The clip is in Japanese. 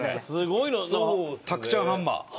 すごいの。卓ちゃんハンマー。